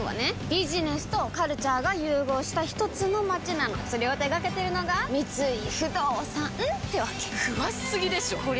ビジネスとカルチャーが融合したひとつの街なのそれを手掛けてるのが三井不動産ってわけ詳しすぎでしょこりゃ